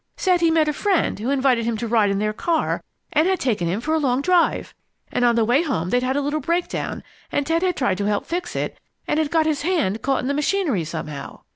Said he met a friend who invited him to ride in their car and had taken him for a long drive. And on the way home they'd had a little breakdown, and Ted had tried to help fix it and had got his hand caught in the machinery somehow.